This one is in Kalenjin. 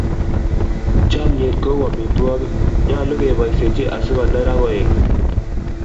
Chomnyet kou amitwogiik, nyolu keboisyechi asi koner ak koet.